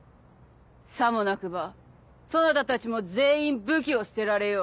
さもなくばそなたたちも全員武器を捨てられよ。